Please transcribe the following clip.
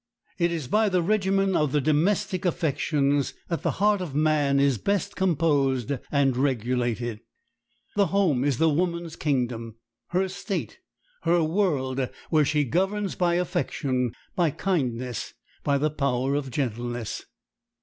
It is by the regimen of the domestic affections that the heart of man is best composed and regulated. The home is the woman's kingdom, her state, her world where she governs by affection, by kindness, by the power of gentleness.